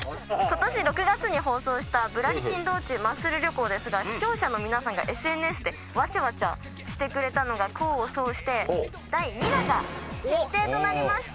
今年６月に放送した『ぶらり筋道中マッスル旅行』ですが視聴者の皆さんがＳＮＳでワチャワチャしてくれたのが功を奏して第２弾が決定となりました！